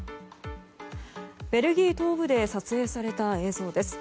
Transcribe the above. ベルギー東部で撮影された映像です。